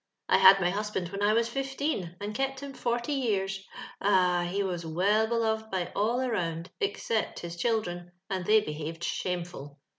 I hod my husband when I was fifteen, and kept him forty years. Ah I he was well beloved by all around, except his children, and they beliaved shameful.